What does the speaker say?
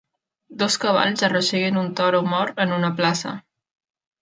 Dos cavalls arrosseguen un toro mort en una plaça.